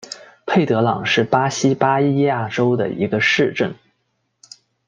佩德朗是巴西巴伊亚州的一个市镇。